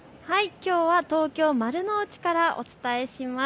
きょうは東京丸の内からお伝えします。